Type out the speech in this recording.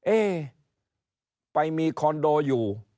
เอ๊ไปมีคอนโดอยู่